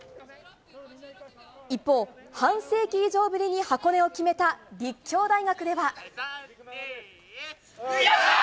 一方、半世紀以上ぶりに箱根を決めた立教大学では。